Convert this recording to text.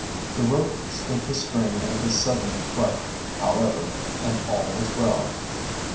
The rope stood the strain of his sudden clutch, however, and all was well.